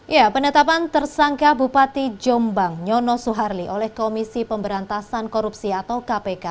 ya penetapan tersangka bupati jombang nyono suharli oleh komisi pemberantasan korupsi atau kpk